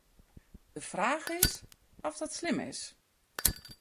De fraach is oft dat slim is.